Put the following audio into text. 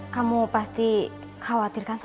kamu pasti khawatir sama bella